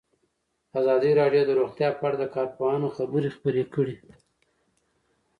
ازادي راډیو د روغتیا په اړه د کارپوهانو خبرې خپرې کړي.